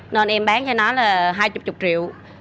nên em bán cho nó là hai mươi triệu